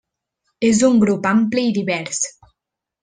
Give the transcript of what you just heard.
És un grup ampli i divers.